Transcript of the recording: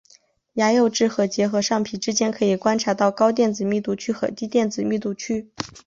牙釉质和结合上皮之间可以观察到高电子密度区和低电子密度区。